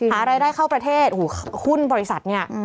หารายได้เข้าประเทศโอ้โหหุ้นบริษัทเนี่ย